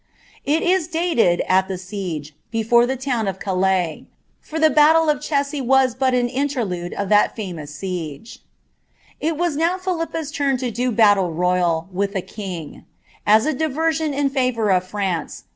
It is dated, at the siege, before ilie town »( Calais; for the battle of Cressy was but an interlude of thai ftmnua It was now Philippa'B turn to do batile royal, with a king. As a di version iu favour of France.